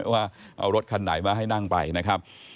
ว่าเอารถคันไหนมาให้นั่งไปนะครับ